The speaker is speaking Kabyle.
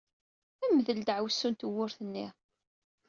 Mdel ddeɛwessu n tewwurt-nni!